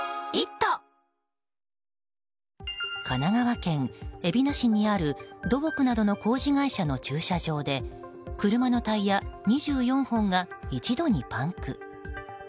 神奈川県海老名市にある土木などの工事会社の駐車場で車のタイヤ２４本が一度にパンク。